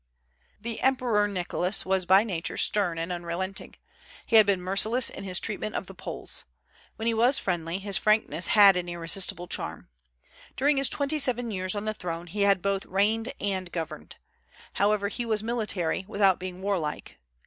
The Emperor Nicholas was by nature stern and unrelenting. He had been merciless in his treatment of the Poles. When he was friendly, his frankness had an irresistible charm. During his twenty seven years on the throne he had both "reigned and governed." However, he was military, without being warlike.